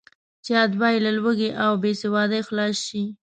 چې اتباع یې له لوږې او بېسوادۍ خلاص شي.